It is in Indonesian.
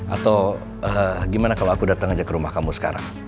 atau gimana kalau aku datang aja ke rumah kamu sekarang